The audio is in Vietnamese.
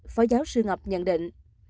phó giáo sư ngọc nhận định